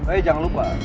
eh jangan lupa